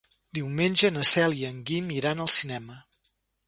Diumenge na Cel i en Guim iran al cinema.